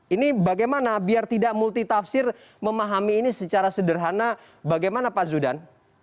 ini bagaimana biar tidak multitafsir memahami ini secara sederhana bagaimana pak zudan